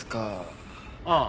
ああ。